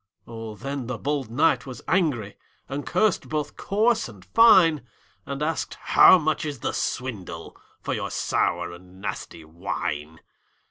Oh, then the bold knight was angry, And cursed both coarse and fine; And asked, "How much is the swindle For your sour and nasty wine?"